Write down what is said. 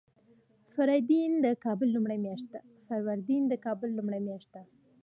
فروردین د کال لومړۍ میاشت ده.